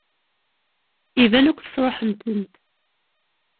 Iban akk tesṛuḥem-tent.